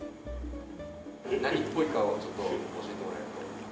何っぽいかをちょっと教えてもらえると。